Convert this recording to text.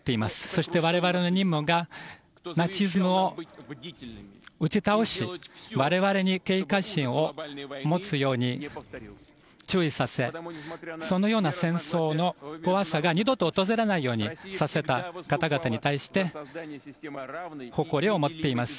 そして、我々の任務がナチズムを打ち倒し我々に警戒心を持つように注意させそのような戦争の怖さが二度と訪れないようにさせた方々に対して誇りを持っています。